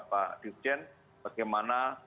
pak dirjen bagaimana